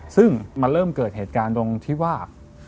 ซึ่งมันเริ่มเกิดเหตุการณ์ตรงที่ว่า